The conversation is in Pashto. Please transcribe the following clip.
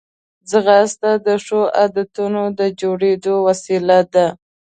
ځغاسته د ښو عادتونو د جوړېدو وسیله ده